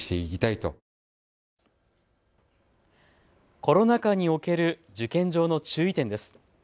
コロナ禍における受験上の注意点です。